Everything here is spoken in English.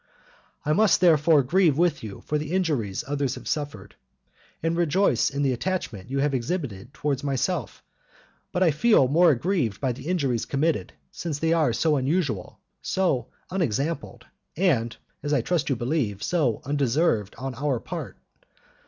I must therefore grieve with you for the injuries others have suffered, and rejoice in the attachment you have exhibited toward myself; but I feel more aggrieved by the injuries committed, since they are so unusual, so unexampled, and (as I trust you believe) so undeserved on our part.